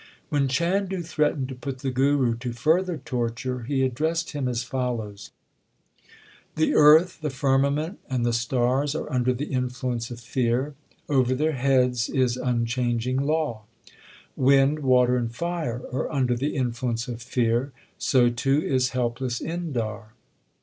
1 When Chandu threatened to put the Guru to further torture he addressed him as follows : The earth, the firmament, and the stars are under the influence of fear ; over their heads is unchanging law. Wind, water, and fire are under the influence of fear ; so, too, is helpless Indar.